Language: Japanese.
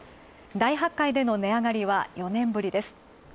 大発会での値上がりは４年ぶりです。